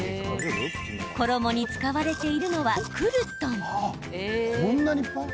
衣に使われているのはクルトン。